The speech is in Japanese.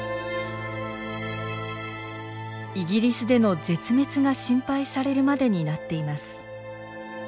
イギリスでの絶滅が心配されるまでになっています。